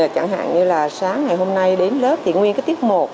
chẳng hạn như là sáng ngày hôm nay đến lớp thì nguyên cái tiết một